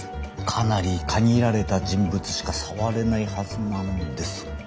かなり限られた人物しか触れないはずなんですが。